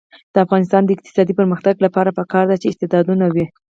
د افغانستان د اقتصادي پرمختګ لپاره پکار ده چې استعدادونه وي.